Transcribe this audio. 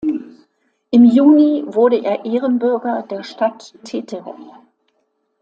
Im Juni wurde er Ehrenbürger der Stadt Teterow.